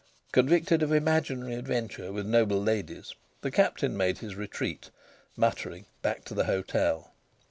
Convicted of imaginary adventure with noble ladies, the Captain made his retreat, muttering, back to the hotel.